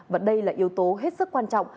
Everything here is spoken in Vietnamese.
và đây là yếu tố hết sức quan trọng